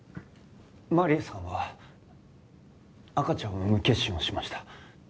マリアさんは赤ちゃんを産む決心をしました。